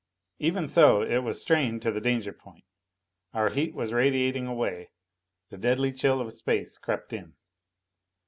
Even so, it was strained to the danger point. Our heat was radiating away; the deadly chill of space crept in.